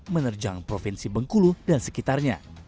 menerjang provinsi bengkulu dan sekitarnya